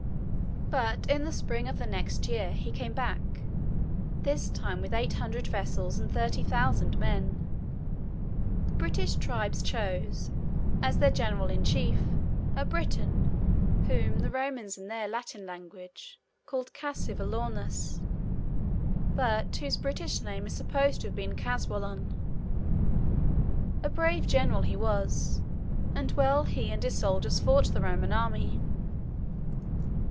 But, in the spring of the next year, he came back; this time, with eight hundred vessels and thirty thousand men. The British tribes chose, as their general in chief, a Briton, whom the Romans in their Latin language called Cassivellaunus, but whose British name is supposed to have been Caswallon. A brave general he was, and well he and his soldiers fought the Roman army!